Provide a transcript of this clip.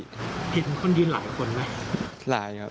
เห็นคนยืนหลายคนไหมหลายครับ